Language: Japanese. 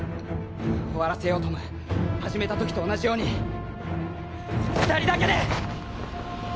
終わらせようトム始めた時と同じように二人だけで！